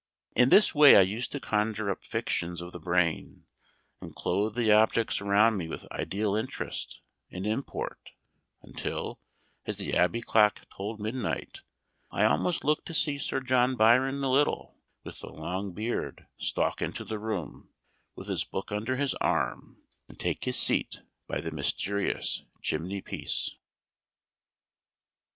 In this way I used to conjure up fictions of the brain, and clothe the objects around me with ideal interest and import, until, as the Abbey clock tolled midnight, I almost looked to see Sir John Byron the Little with the long beard stalk into the room with his book under his arm, and take his seat beside the mysterious chimney piece.